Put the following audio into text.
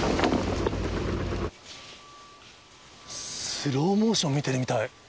スローモーション見てるみたい。